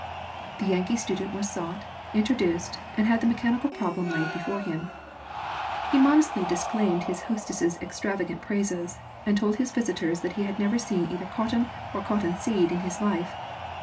The Yankee student was sought, introduced, and had the mechanical problem laid before him. He modestly disclaimed his hostess's extravagant praises, and told his visitors that he had never seen either cotton or cotton seed in his life.